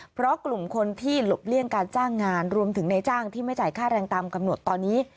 เพราะกลุ่มคนที่หลบเลี่ยงการจ้างงานรวมถึงในจ้างที่ไม่จ่ายค่าแรงตามกำหนดตอนนี้